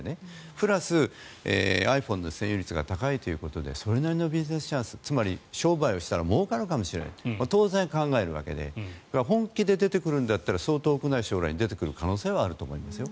プラス、ｉＰｈｏｎｅの占有率が高いということでそれなりのビジネスチャンスつまり商売をしたらもうかるかもしれないと当然考えるわけで本気で出てくるんだったらそう遠くない将来に出てくる可能性はあると思いますよ。